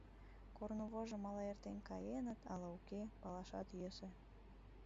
Корнывожым ала эртен каеныт, ала уке — палашат йӧсӧ.